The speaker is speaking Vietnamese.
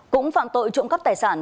cũng phạm tội trộm cắp tài sản